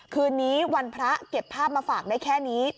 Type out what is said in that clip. คืนนี้วันพระเก็บภาพมาฝากได้แค่นี้